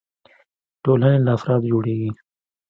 ټولنې له افرادو جوړيږي.